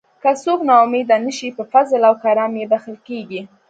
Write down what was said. که څوک نا امید نشي په فضل او کرم یې بښل کیږي.